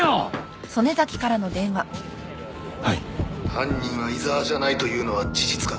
犯人は井沢じゃないというのは事実か？